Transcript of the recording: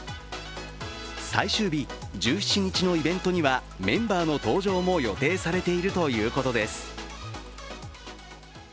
最終日１７日のイベントにはメンバーの登場も予定されているということです。